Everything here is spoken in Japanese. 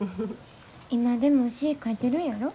今でも詩ぃ書いてるんやろ？